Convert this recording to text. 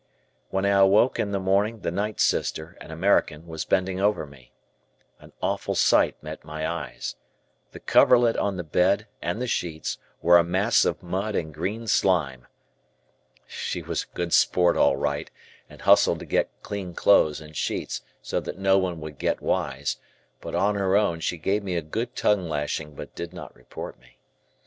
When I awoke in the morning the night sister, an American, was bending over me. An awful sight met my eyes. The coverlet on the bed and the sheets were a mass of mud and green slime. She was a good sport all right and hustled to get clean clothes and sheets so that no one would get wise, but "on her own" she gave me a good tongue lashing but did not report me.